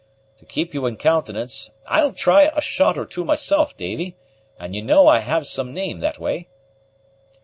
To keep you in countenance, I'll try a shot or two myself, Davy; and you know I have some name that way."